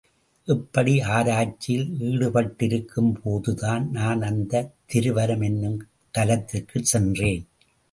இப்படி ஆராய்ச்சியில் ஈடுபட்டிருக்கும் போதுதான் நான் அந்தத் திருவலம் என்னும் தலத்திற்குச் சென்றேன்.